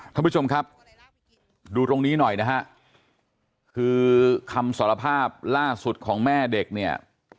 ท่านผู้ชมครับดูตรงนี้หน่อยนะฮะคือคำสารภาพล่าสุดของแม่เด็กเนี่ย